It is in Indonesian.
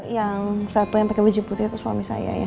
yang satu yang pakai baju putih itu suami saya ya